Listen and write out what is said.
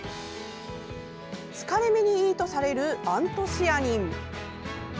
疲れ目にいいとされるアントシアニン。